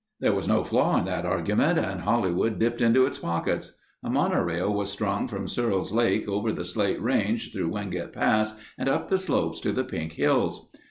There was no flaw in that argument and Hollywood dipped into its pockets. A mono rail was strung from Searles' Lake over the Slate Range through Wingate Pass and up the slopes to the pink hills.